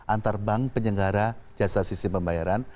antara bank penyegara jasa sistem pembayaran